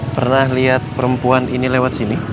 pernah lihat perempuan ini lewat sini